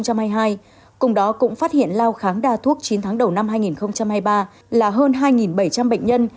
cùng đó cũng phát hiện lao kháng đa thuốc chín tháng đầu năm hai nghìn hai mươi ba là hơn hai bảy trăm linh bệnh nhân